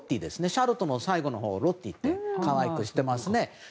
シャーロットの最後のほうロッティと可愛くしてますね。